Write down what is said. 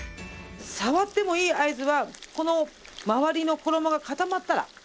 触ってもいい合図はこの周りの衣が固まったら。